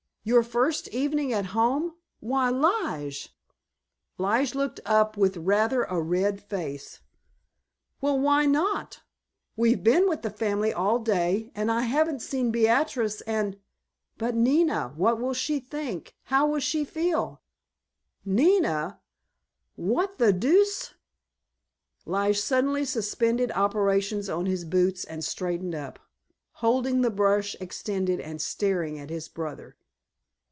Your first evening at home! Why, Lige!" Lige looked up with rather a red face. "Well, why not? We've been with the family all day, and I haven't seen Beatrice, and——" "But Nina—what will she think—how will she feel——" "Nina? What the deuce——" Lige suddenly suspended operations on his boots and straightened up, holding the brush extended and staring at his brother.